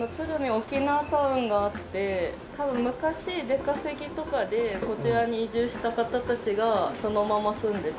沖縄タウンがあって多分昔出稼ぎとかでこちらに移住した方たちがそのまま住んでて。